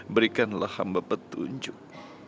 berikanlah hamba petunjuk